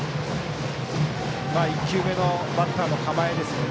１球目のバッターの構えですね。